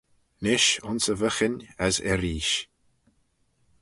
Nish ayns e vyghin as erreeish.